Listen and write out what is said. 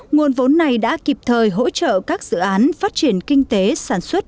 nguồn vốn này đã kịp thời hỗ trợ các dự án phát triển kinh tế sản xuất